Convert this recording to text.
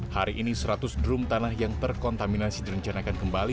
hari ini seratus drum tanah yang terkontaminasi direncanakan kembali